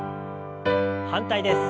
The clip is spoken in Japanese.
反対です。